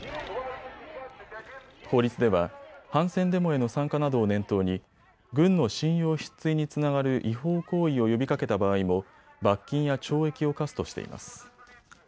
法律では反戦デモへの参加などを念頭に軍の信用失墜につながる違法行為を呼びかけた場合も罰金や懲役を科すとしています。